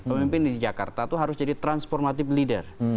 pemimpin di jakarta itu harus jadi transformative leader